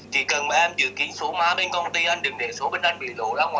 thì nếu như mà có trường hợp đấy xảy ra